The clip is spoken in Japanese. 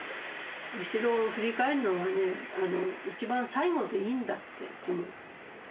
後ろを振り返るのはね一番最後でいいんだっていつも。